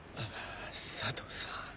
佐藤さん。